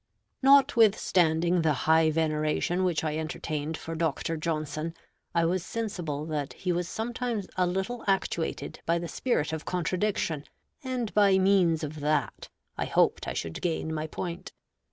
Notwithstanding the high veneration which I entertained for Dr. Johnson, I was sensible that he was sometimes a little actuated by the spirit of contradiction, and by means of that I hoped I should gain my point.